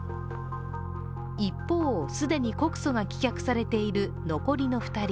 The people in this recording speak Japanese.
一方、既に告訴が棄却されている残りの２人。